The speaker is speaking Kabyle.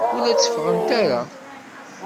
Ur la tteffɣen ara.